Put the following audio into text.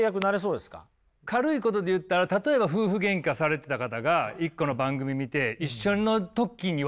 軽いことで言ったら例えば夫婦げんかされてた方が１個の番組見て一緒の時に笑った。